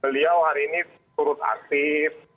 beliau hari ini turut aktif